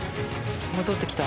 戻ってきた？